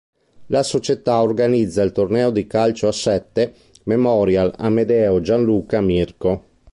La società organizza il torneo di calcio a sette, "Memorial Amedeo Gianluca Mirco".